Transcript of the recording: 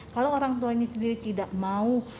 kalau orang tuanya sendiri tidak mau